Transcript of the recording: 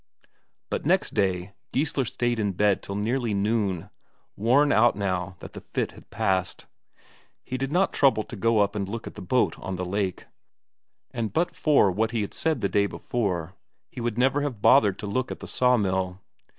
But next day, Geissler stayed in bed till nearly noon, worn out now that the fit had passed. He did not trouble to go up and look at the boat on the lake; and but for what he had said the day before, he would never have bothered to look at the sawmill.